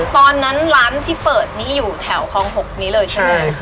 ตอนนั้นร้านที่เปิดนี้อยู่แถวคลอง๖นี้เลยใช่ไหม